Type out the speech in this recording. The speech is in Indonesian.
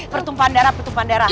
pertumpahan darah pertumpahan darah